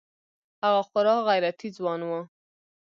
هغه خورا غيرتي ځوان و.